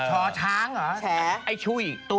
ชอช้างเหรอ